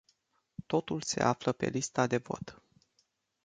Totul se află pe lista de vot.